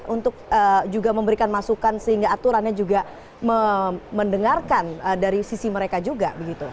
untuk juga memberikan masukan sehingga aturannya juga mendengarkan dari sisi mereka juga